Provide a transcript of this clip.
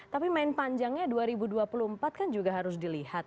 tapi main panjangnya dua ribu dua puluh empat kan juga harus dilihat